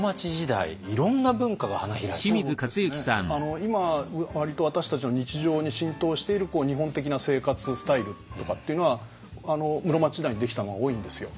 今割と私たちの日常に浸透している日本的な生活スタイルとかっていうのは室町時代にできたものが多いんですよ。